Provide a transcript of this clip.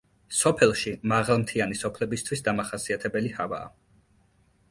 სოფელში მაღალმთიანი სოფლებისთვის დამახასიათებელი ჰავაა.